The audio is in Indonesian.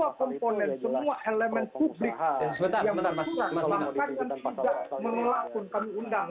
yang berpikiran langkah yang tidak mengelakkan kami undang